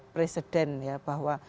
presiden ya bahwa